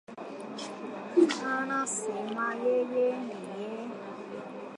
Anasema yeye ndie msimamizi halali wanchi hadi uchaguzi ufanyike